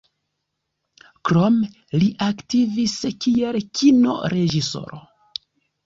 Krome li aktivis kiel Kino-reĝisoro.